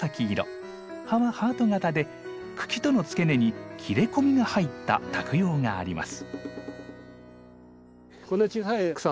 葉はハート形で茎との付け根に切れ込みが入った托葉があります。